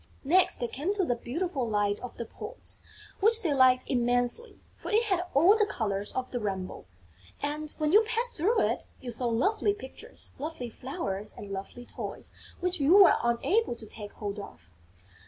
Next they came to the beautiful Light of the Poets, which they liked immensely, for it had all the colours of the rainbow; and, when you passed through it, you saw lovely pictures, lovely flowers and lovely toys which you were unable to take hold of.